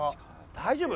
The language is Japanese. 大丈夫？